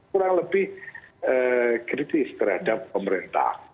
kurang lebih kritis terhadap pemerintah